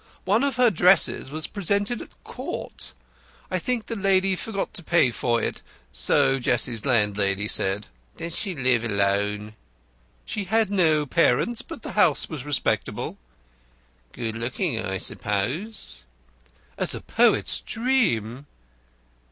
One of her dresses was presented at Court. I think the lady forgot to pay for it; so Jessie's landlady said." "Did she live alone?" "She had no parents, but the house was respectable." "Good looking, I suppose?" "As a poet's dream."